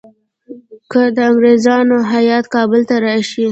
که د انګریزانو هیات کابل ته راشي.